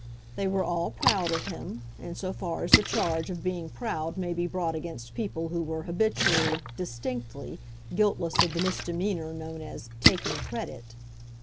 They were all proud of him, in so far as the charge of being proud may be brought against people who were, habitually, distinctly guiltless of the misdemeanor known as "taking credit."